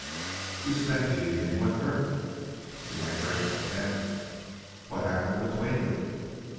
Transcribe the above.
"You spent the evening with her?" "To my great content." "What happened between you?"